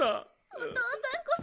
お父さんこそ。